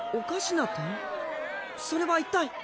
それは一体。